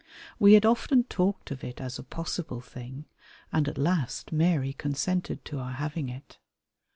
We had often talked of it as a possible thing, and at last Mary consented to our having it.